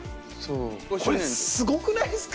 これすごくないですか！？